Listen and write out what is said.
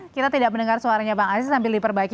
kita tidak mendengar suaranya bang aziz sambil diperbaiki